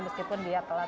meskipun dia telat